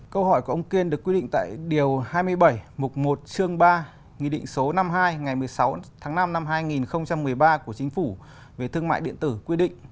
câu hỏi của ông kiên được quy định tại điều hai mươi bảy mục một chương ba nghị định số năm mươi hai ngày một mươi sáu tháng năm năm hai nghìn một mươi ba của chính phủ về thương mại điện tử quy định